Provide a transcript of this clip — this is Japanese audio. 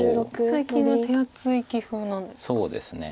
最近は手厚い棋風なんですか。